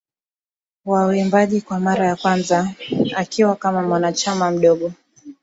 Wa uimbaji kwa mara ya kwanza akiwa kama mwanachama mdogo